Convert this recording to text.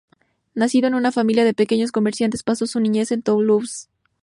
Nacido en una familia de pequeños comerciantes, pasó su niñez en Toulouse.